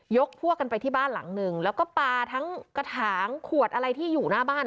พวกกันไปที่บ้านหลังหนึ่งแล้วก็ปลาทั้งกระถางขวดอะไรที่อยู่หน้าบ้าน